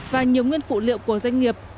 và nhiều nguyên phụ liệu của doanh nghiệp